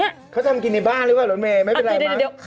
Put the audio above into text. โอเคโอเคโอเค